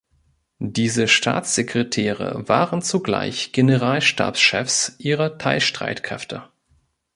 Diese Staatssekretäre waren zugleich Generalstabschefs ihrer Teilstreitkräfte.